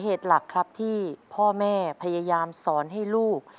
เหตุหลักครับที่พ่อแม่พยายามสอนให้ลูก